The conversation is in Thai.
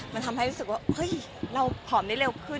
มันทำให้รู้สึกว่าเฮ้ยเราผอมได้เร็วขึ้น